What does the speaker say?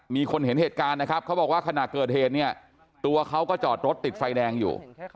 มีคนเห็นเหตุการณ์นะครับเขาบอกว่าขณะเกิดเหตุเนี่ยตัวเขาก็จอดรถติดไฟแดงอยู่